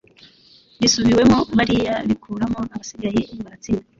risubiwemo bariya bikuramo abasigaye baratsinda